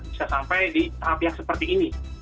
bisa sampai di tahap yang seperti ini